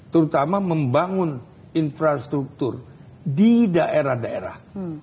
terutama membangun infrastruktur di daerah daerah